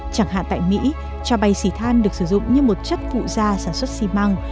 chẳng hạn tại mỹ cho bay xỉ than được sử dụng như một chất phụ da sản xuất xi măng